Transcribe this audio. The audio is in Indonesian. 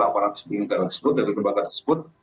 aparat sipil negara tersebut dari kebaga tersebut